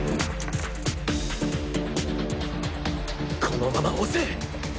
このまま押せ！